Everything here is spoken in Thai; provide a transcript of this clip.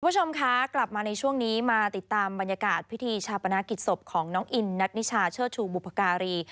คุณผู้ชมคะกลับมาในช่วงนี้มาติดตามบรรยากาศพิธีชาปนากิจศพของน้องอินนัทนิชาเชิดชูบุพการี